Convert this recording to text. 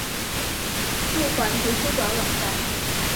路环图书馆网站